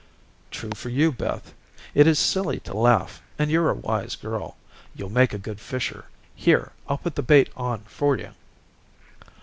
"True for you, Beth. It is silly to laugh and you're a wise girl. You'll make a good fisher. Here, I'll put the bait on for you."